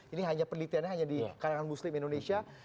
ini hanya penelitiannya hanya di kalangan muslim indonesia